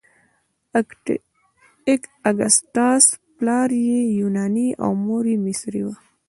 اګسټاس پلار یې یوناني او مور یې مصري وه.